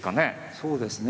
そうですね。